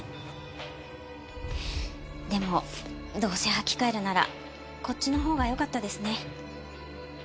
でもどうせ履き替えるならこっちのほうがよかったですね。